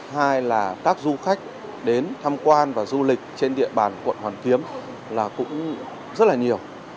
hai là các du khách đến tham quan và du lịch trên địa bàn quận hoàn kiếm là cũng rất là nhiều